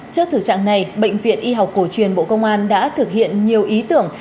trước thực trạng này bệnh viện y học cổ truyền bộ công an đã thực hiện nhiều ý tưởng